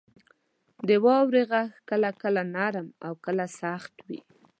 • د واورې غږ کله کله نرم او کله سخت وي.